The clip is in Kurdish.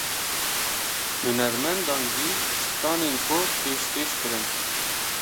Hunermendan jî stranên xwe pêşkêş kirin.